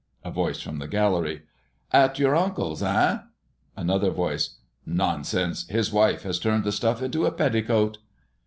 A voice from the gallery: "At your uncle's, eh?" Another voice: "Nonsense! His wife has turned the stuff into a petticoat."